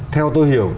theo tôi hiểu